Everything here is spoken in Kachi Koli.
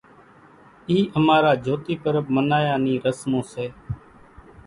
اِي امارا جھوتي پرٻ منايا نِي رسمون سي۔